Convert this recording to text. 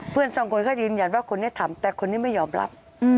เพื่อนสองคนก็ยืนยันว่าคนนี้ทำแต่คนนี้ไม่ยอมรับ